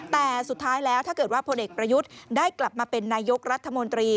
แต่สุดท้ายแล้วถ้าเกิดว่าพลเอกประยุทธ์ได้กลับมาเป็นนายกรัฐมนตรี